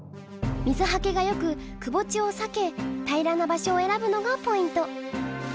水はけがよくくぼ地を避け平らな場所を選ぶのがポイント！